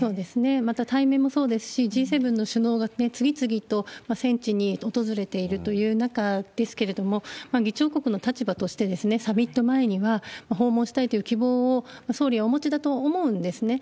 また対面もそうですし、Ｇ７の首脳がね、次々と戦地に訪れているという中ですけれども、議長国の立場として、サミット前には訪問したいという希望を総理はお持ちだと思うんですね。